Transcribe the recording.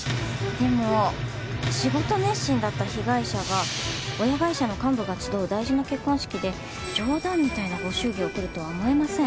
でも仕事熱心だった被害者が親会社の幹部が集う大事な結婚式で冗談みたいなご祝儀を贈るとは思えません。